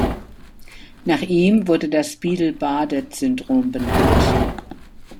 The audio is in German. Nach ihm wurde das Biedl-Bardet-Syndrom benannt.